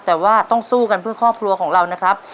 แต่ว่าต้องสู้กันเพื่อครอบครัวของเรานะครับ